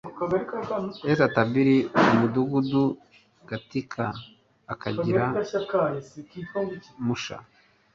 est tabli umudugudu gatika akagari musha